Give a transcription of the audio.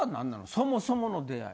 そもそもの出会い。